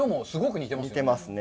似てますね。